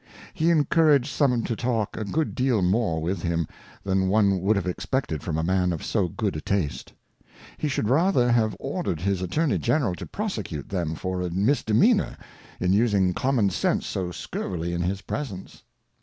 He encouraged some to talk a good deal more with him, than one would have expected from a Man of so good a Taste : He should rather have order'd his Attorney General to prosecute them for a Misdemeanour, in using Common sense so scurvily in his Presence.